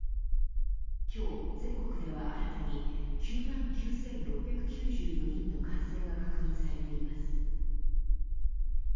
今日全国では新たに９万９６９４人の感染が確認されています。